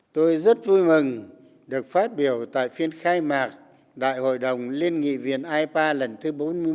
tôi rất vui mừng được phát biểu tại phiên khai mạc đại hội đồng liên nghị viện ipa lần thứ bốn mươi một